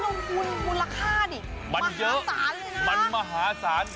มันเยอะมันมหาศาลเลยนะมันเยอะมันมหาศาล